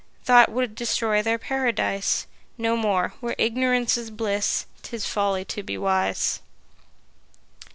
Thought would destroy their paradise. No more; where ignorance is bliss, 'Tis folly to be wise.